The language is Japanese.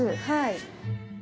はい。